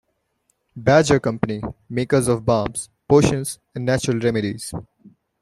Badger Company, makers of balms, potions and natural remedies.